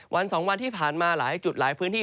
วัน๒วันที่ผ่านมาหลายจุดหลายพื้นที่